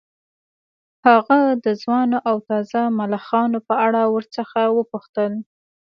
هغه د ځوانو او تازه ملخانو په اړه ورڅخه وپوښتل